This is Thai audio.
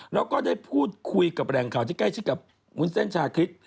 แล้วก็ได้พูดคุยกับแหล่งข่าวที่ใกล้ชิดกับวุ้นเส้นชาคริส